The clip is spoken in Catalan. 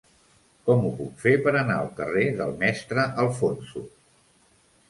Com ho puc fer per anar al carrer del Mestre Alfonso?